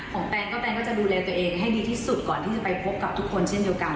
แตนก็แนนก็จะดูแลตัวเองให้ดีที่สุดก่อนที่จะไปพบกับทุกคนเช่นเดียวกัน